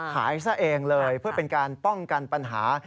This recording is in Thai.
ซะเองเลยเพื่อเป็นการป้องกันปัญหา